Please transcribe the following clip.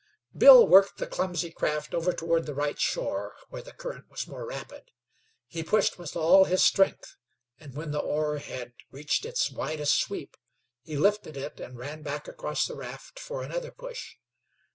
Bill worked the clumsy craft over toward the right shore where the current was more rapid. He pushed with all his strength, and when the oar had reached its widest sweep, he lifted it and ran back across the raft for another push.